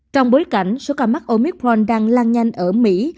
trong bối cảnh số ca mắc oipron đang lan nhanh ở mỹ